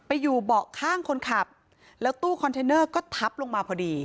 อยู่เบาะข้างคนขับแล้วตู้คอนเทนเนอร์ก็ทับลงมาพอดี